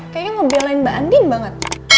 kayaknya ngebelain mbak andi banget